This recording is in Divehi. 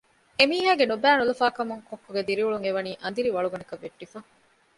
އެމީހާގެ ނުބައި ނުލަފާކަމުން ކޮއްކޮގެ ދިރިއުޅުން އެވަނީ އަނދިރި ވަޅުގަނޑަކަށް ވެއްޓިފަ